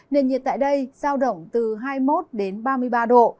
nền nhiệt tại đây giao động từ hai mươi một đến ba mươi ba độ